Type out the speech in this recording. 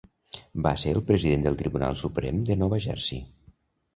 Va ser el president del Tribunal Suprem de Nova Jersey.